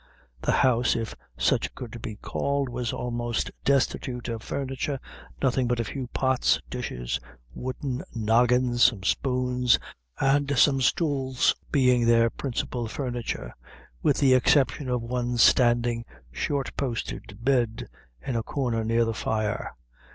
The house if such it could be called was almost destitute of furniture, nothing but a few pots, dishes, wooden noggins, some spoons, and some stools being their principal furniture, with the exception of one standing short posted bed, in a corner, near the fire.